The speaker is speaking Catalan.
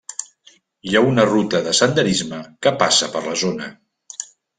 Hi ha una ruta de senderisme que passa per la zona.